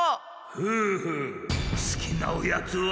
フーフーすきなおやつは？